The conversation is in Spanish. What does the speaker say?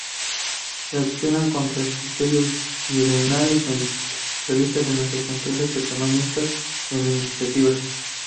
Reaccionan contra el criterio virreinal y centralista de nuestras empresas económicas y administrativas.